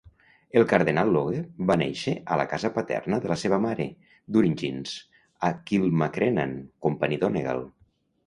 El Cardenal Logue va néixer a la casa paterna de la seva mare, "Duringings", a Kilmacrenan, Company Donegal.